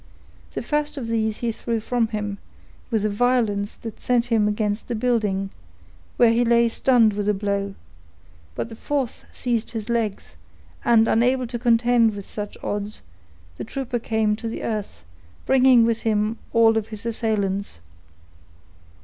The first of these he threw from him, with a violence that sent him against the building, where he lay stunned with the blow. But the fourth seized his legs; and, unable to contend with such odds, the trooper came to the earth, bringing with him all of his assailants.